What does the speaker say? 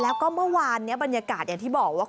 แล้วก็เมื่อวานนี้บรรยากาศอย่างที่บอกว่า